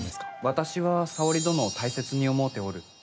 私は沙織殿を大切に思うておる。